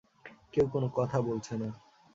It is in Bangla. কেউ কোনো কথা বলছে না।